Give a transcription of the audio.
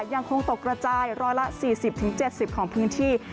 ยังคงตกกระจาย๑๔๐๗๐ของพื้นที่